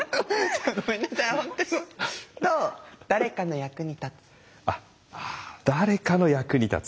と「誰かの役に立つ」。